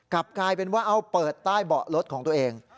กลับกลายเป็นว่าเอาเปิดใต้เบาะรถของตัวเอง